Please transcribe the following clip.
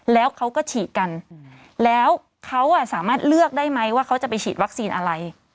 แล้วเขาก็ฉีดกันแล้วเขาสามารถเลือกได้ไหมว่าเขาจะไปฉีดวัคซีนอะไร